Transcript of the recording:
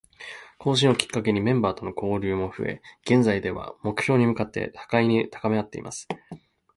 更新をきっかけにメンバーとの交流も増え、現在では、目標に向かって互いに高めあっています。